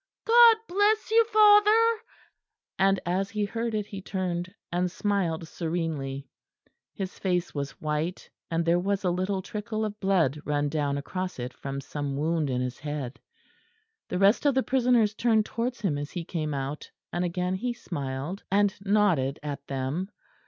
"God bless you, father," and as he heard it he turned and smiled serenely. His face was white, and there was a little trickle of blood run down across it from some wound in his head. The rest of the prisoners turned towards him as he came out; and again he smiled and nodded at them.